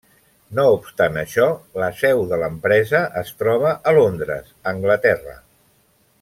No obstant això, la seu de l'empresa es troba a Londres, Anglaterra.